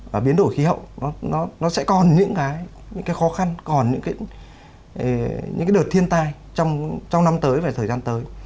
và biến đổi khí hậu nó sẽ còn những cái khó khăn còn những đợt thiên tai trong năm tới và thời gian tới